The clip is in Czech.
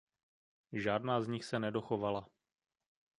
Žádná z nich se nedochovala.